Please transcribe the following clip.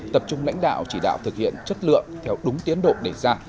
tập trung lãnh đạo chỉ đạo thực hiện chất lượng theo đúng tiến độ đề ra